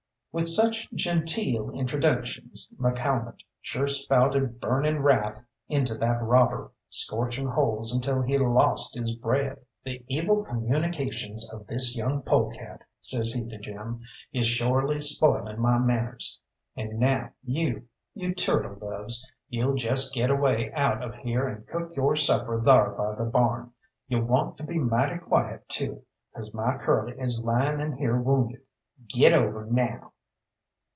With such genteel introductions McCalmont sure spouted burning wrath into that robber, scorching holes until he lost his breath. "The evil communications of this young polecat," says he to Jim, "is shorely spoiling my manners. And now, you you turtle doves, you'll jest get away out of here and cook your supper thar by the barn. You want to be mighty quiet too, 'cause my Curly is lying in here wounded. Git over now!"